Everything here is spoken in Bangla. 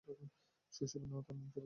শৈশবে তার নাম ছিল "যতীন অরোরা"।